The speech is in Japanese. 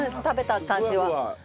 食べた感じは。